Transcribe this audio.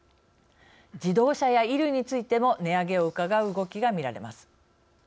自動車や衣類についても値上げをうかがう動きがみられます。